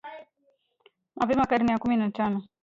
Mapema karne ya kumi na tano